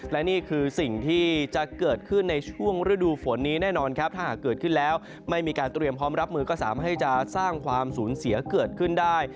และนี่คือสิ่งที่จะเกิดขึ้นในช่วงฤดูฝนนี้แน่นอนครับถ้าหากเกิดขึ้นแล้วไม่มีการเตรียมพร้อมรับมือก็สามารถให้จะสร้างความสูญเสียเกิดขึ้นได้